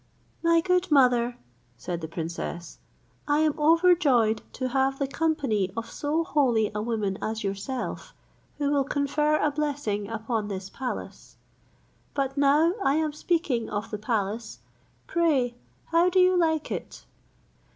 "My good mother," said the princess, "I am overjoyed to have the company of so holy a woman as yourself, who will confer a blessing upon this palace. But now I am speaking of the palace, pray how do you like it?